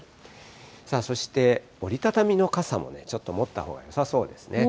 さあ、そして、折り畳みの傘もね、ちょっと持ったほうがよさそうですね。